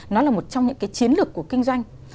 nó là một trong những cái chiến lược của kinh doanh